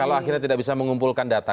kalau akhirnya tidak bisa mengumpulkan data